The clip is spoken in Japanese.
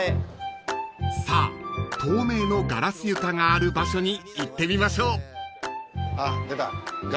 ［さあ透明のガラス床がある場所に行ってみましょう］